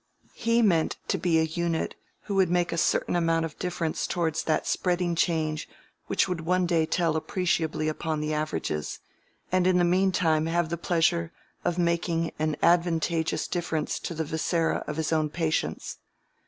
He meant to be a unit who would make a certain amount of difference towards that spreading change which would one day tell appreciably upon the averages, and in the mean time have the pleasure of making an advantageous difference to the viscera of his own patients.